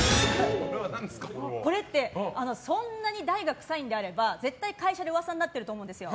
これって、そんなに大が臭いんであれば絶対、会社で噂になってると思うんですよ。